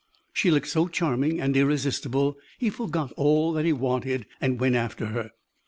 She looked so charming and irresistible, he forgot all that he wanted and went after her.